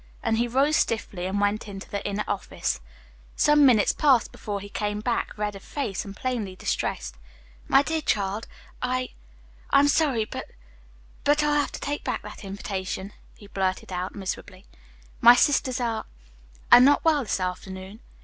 And he rose stiffly and went into the inner office. Some minutes passed before he came back, red of face, and plainly distressed. "My dear child, I I'm sorry, but but I'll have to take back that invitation," he blurted out miserably. "My sisters are are not well this afternoon.